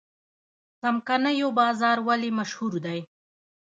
څمکنیو بازار ولې مشهور دی؟